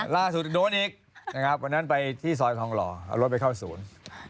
โดนอีกนะครับวันนั้นไปที่ซอยทองหล่อเอารถไปเข้าศูนย์